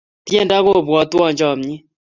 tiendo kopuatwa chamiet